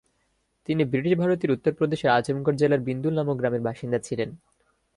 তিনি ব্রিটিশ ভারতের উত্তরপ্রদেশের আজমগড় জেলার বিন্দুল নামক গ্রামের বাসিন্দা ছিলেন।